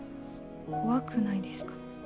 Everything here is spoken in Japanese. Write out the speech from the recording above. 怖くないですか？